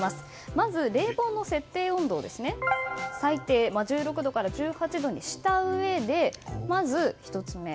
まず冷房の設定温度を最低１６度から１８度にしたうえでまず、１つ目。